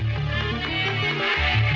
oh itu orangnya